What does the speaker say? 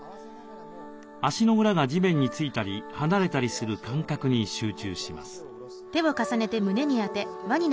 足の裏が地面についたり離れたりする感覚に集中します。